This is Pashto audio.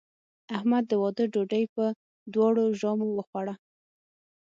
احمد د واده ډوډۍ په دواړو ژامو وخوړه.